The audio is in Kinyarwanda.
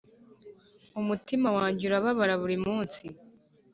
umutima wanjye urababara buri munsi.